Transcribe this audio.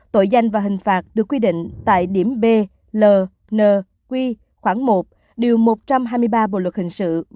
tội danh và hình phạt được quy định tại điểm b l khoảng một điều một trăm hai mươi ba bộ luật hình sự